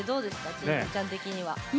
鎮西ちゃん的には。